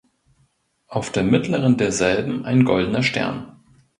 Auf der mittleren derselben ein goldener Stern.